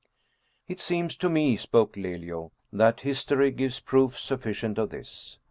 " It seems to me/' spoke Lelio, " that history gives proof sufficient of this.